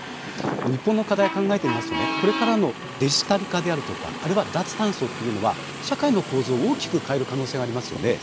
日本の課題を考えてみますとこれからのデジタル化であるとかあるいは脱炭素というのは社会の構図を大きく変える可能性がありますよね。